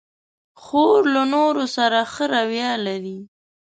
خور له نورو سره ښه رویه لري.